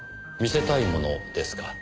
見せたいものですか？